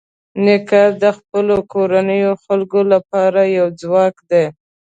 نیکه د خپلو کورنیو خلکو لپاره یو ځواک دی.